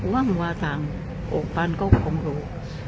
ว้างว่าทางโอปันก็ความรู้